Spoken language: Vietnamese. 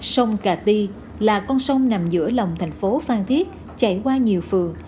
sông cà ti là con sông nằm giữa lòng thành phố phan thiết chảy qua nhiều phường